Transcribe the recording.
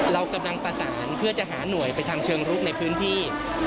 เรากำลังประสานเพื่อจะหาหน่วยไปทำเชิงรุกในพื้นที่